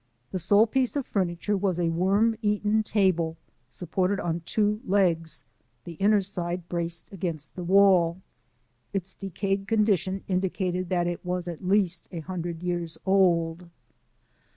The sole piece of furniture was a worm eaten table supported on two legs, the inner side braced against the wall. Its decayed condition indicated that it was at least a hundred years old.